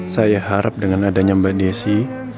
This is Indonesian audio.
saya harap dengan adanya mbak desi